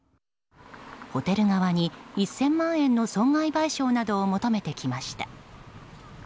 ホテル側に、１０００万円の損害賠償などを求めてきました。